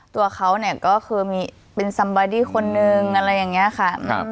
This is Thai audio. ตัวเขาเนี้ยก็คือมีเป็นคนหนึ่งอะไรอย่างเงี้ยค่ะครับ